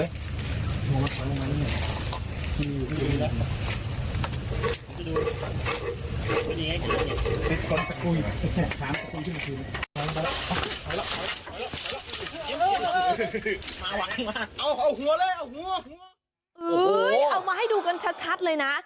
เอามาให้ดูกันชัดเลยนะ